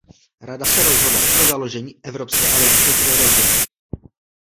Rada se rozhodla i pro založení Evropské aliance pro rodiny.